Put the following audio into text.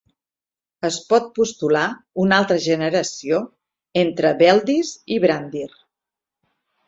Es pot postular una altra generació entre Beldis i Brandir.